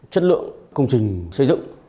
chất lượng công trình xây dựng